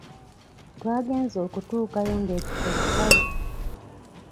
Twagenze okutuukayo nga ekifo kikalu!